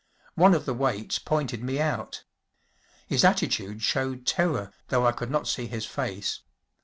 One of the waits pointed me out. His attitude showed terror though I could not see his face.